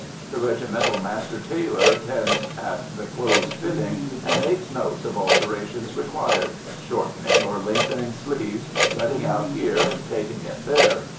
The regimental master tailor attends at the clothes' fitting, and makes notes of alterations required shortening or lengthening sleeves, letting out here, and taking in there.